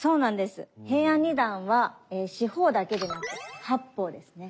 平安二段は四方だけでなく八方ですね。